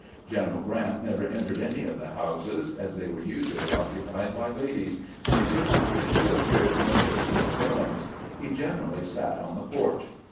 General Grant never entered any of the houses, as they were usually occupied by ladies, and he did not wish to appear to invade their dwellings ; he generally sat on the porch.